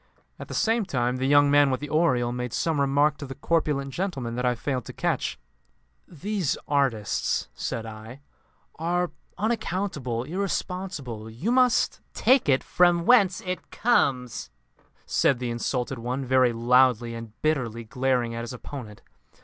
At the same time the young man with the aureole made some remark to the corpulent gentleman that I failed to catch. "These artists," said I, "are unaccountable, irresponsible. You must " "Take it from whence it comes," said the insulted one, very loudly, and bitterly glaring at his opponent.